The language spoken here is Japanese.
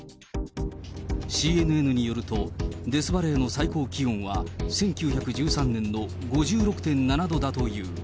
ＣＮＮによると、デスバレーの最高気温は１９１３年の５６．７度だという。